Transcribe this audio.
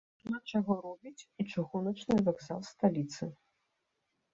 Шмат чаго робіць і чыгуначны вакзал сталіцы.